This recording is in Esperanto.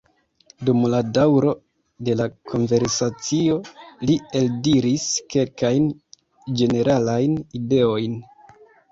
Dum la daŭro de la konversacio, li eldiris kelkajn ĝeneralajn ideojn.